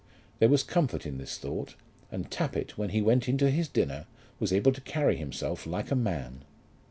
There was comfort in this thought; and Tappitt, when he went into his dinner, was able to carry himself like a man.